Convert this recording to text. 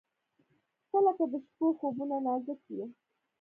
• ته لکه د شپو خوبونه نازک یې.